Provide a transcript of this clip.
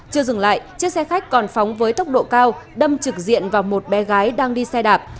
chưa dừng lại chiếc xe khách còn phóng với tốc độ cao đâm trực diện vào một bé gái đang đi xe đạp